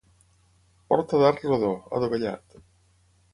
Porta d'arc rodó, adovellat.